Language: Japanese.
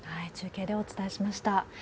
中継でお伝えしました。